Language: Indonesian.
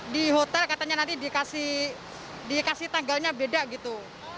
di hotel katanya nanti dikasih tanggalnya beda gitu